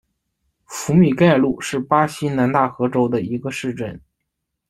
福米盖鲁是巴西南大河州的一个市镇。